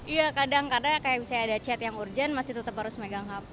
iya kadang kadang kayak misalnya ada chat yang urgent masih tetap harus megang hp